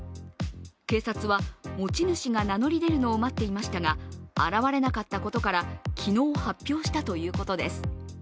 警察は、持ち主が名乗り出るのを待っていましたが、現れなかったことから昨日、発表したということです。